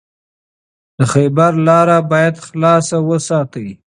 د خیبر لاره باید خلاصه وساتئ.